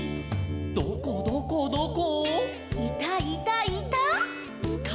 「どこどこどこ？」